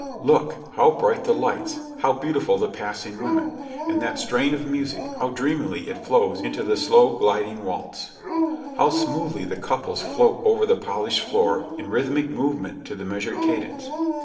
"Look! How bright the lights! How beautiful the passing women ! And that strain of music, how dreamily it flows into the slow, gliding waltz ! How smoothly the couples float over the polished floor in rhythmic movement to the measured cadence